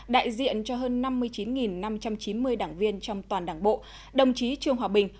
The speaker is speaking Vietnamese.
đại diện cho hơn năm mươi chín năm trăm chín mươi đảng viên trong toàn đảng bộ đồng chí trương hòa bình